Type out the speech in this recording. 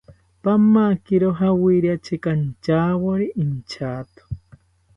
Pamakiro jawiri achekantyawori inchato